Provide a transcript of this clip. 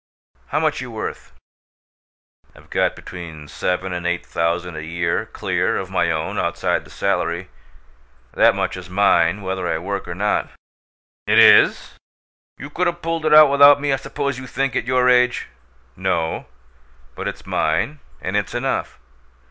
How much you worth?" "I've got between seven and eight thousand a year clear, of my own, outside the salary. That much is mine whether I work or not." "It is? You could'a pulled it out without me, I suppose you think, at your age?" "No. But it's mine, and it's enough."